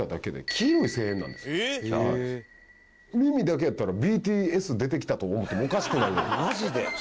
耳だけやったらＢＴＳ出てきたと思ってもおかしくないぐらい。